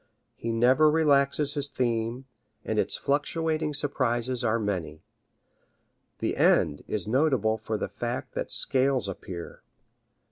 He never relaxes his theme, and its fluctuating surprises are many. The end is notable for the fact that scales appear.